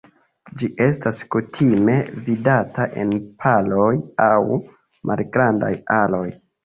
Ĝi estas kutime vidata en paroj aŭ malgrandaj aroj.